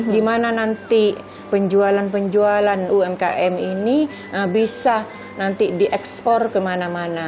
di mana nanti penjualan penjualan umkm ini bisa nanti diekspor kemana mana